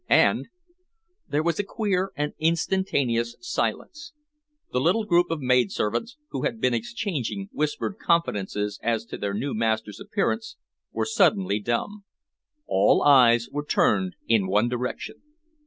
And " There was a queer and instantaneous silence. The little group of maidservants, who had been exchanging whispered confidences as to their new master's appearance, were suddenly dumb. All eyes were turned in one direction.